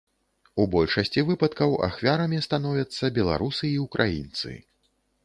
У большасці выпадкаў ахвярамі становяцца беларусы і ўкраінцы.